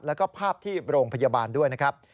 แล้วก็ภาพที่โรงพยาบาลด้วยนะครับ